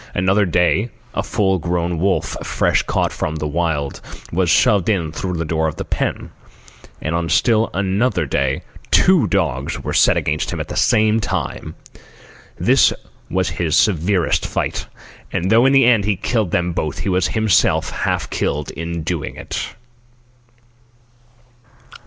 Another day a full grown wolf, fresh caught from the Wild, was shoved in through the door of the pen. And on still another day two dogs were set against him at the same time. This was his severest fight, and though in the end he killed them both he was himself half killed in doing it.